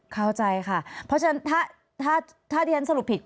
เข้าใจค่ะเพราะฉะนั้นถ้าที่ฉันสรุปผิด